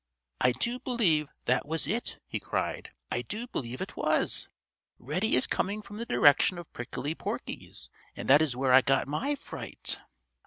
"I do believe that was it!" he cried. "I do believe it was. Reddy is coming from the direction of Prickly Porky's, and that was where I got my fright.